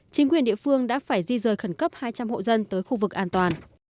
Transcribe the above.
chính quyền địa phương đã phải di rời khẩn cấp hai trăm linh hộ dân tới khu vực an toàn